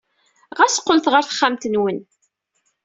Ɣas qqlet ɣer texxamt-nwen.